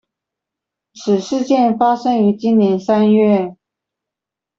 此事件發生於今年三月